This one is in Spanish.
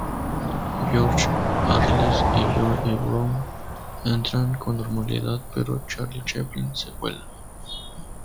George Arliss y Joe E. Brown entran con normalidad, pero Charlie Chaplin se cuela.